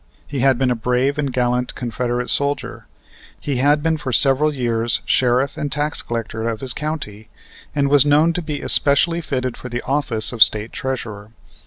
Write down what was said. He had been a brave and gallant Confederate soldier. He had been for several years Sheriff and Tax Collector of his county, and was known to be especially fitted for the office of State Treasurer.